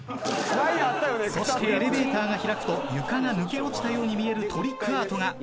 そしてエレベーターが開くと床が抜け落ちたように見えるトリックアートが。